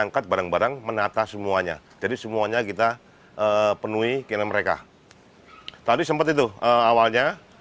kodam jaya melaksanakan penertiban